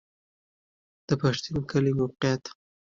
د پښتین کلی موقعیت